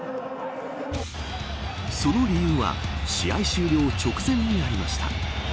その理由は試合終了直前にありました。